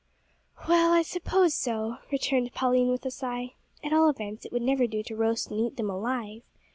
"Well, I suppose so," returned Pauline, with a sigh; "at all events it would never do to roast and eat them alive.